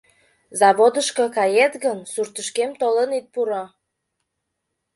Заводышко кает гын, суртышкем толын ит пуро!